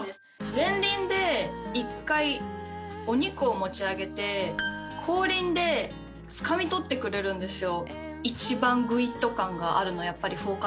前輪で一回お肉を持ち上げて後輪でつかみ取ってくれるんですよ